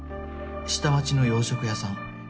下町の洋食屋さん」